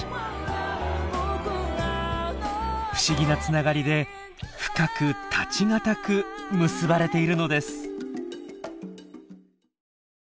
不思議なつながりで深く絶ち難く結ばれているのです。